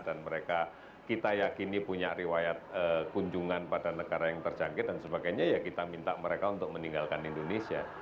dan mereka kita yakini punya riwayat kunjungan pada negara yang terjangkit dan sebagainya ya kita minta mereka untuk meninggalkan indonesia